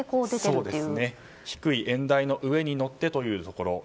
低い演台の上に乗ってというところ。